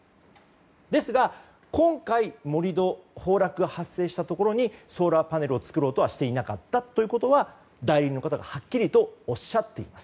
ですが、今回盛り土の崩落が発生したところにソーラーパネルを作ろうとはしていなかったというのは代理人の方がはっきりとおっしゃっています。